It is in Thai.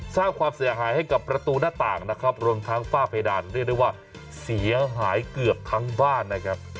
สร้างความเสียหายให้กับประตูหน้าต่างนะครับรวมทั้งฝ้าเพดานเรียกได้ว่าเสียหายเกือบทั้งบ้านนะครับ